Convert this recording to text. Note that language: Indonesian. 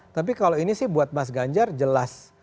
tapi kalau ini sih buat mas ganjar jelas